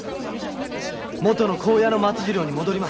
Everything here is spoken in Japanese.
もとの紺屋の松次郎に戻ります。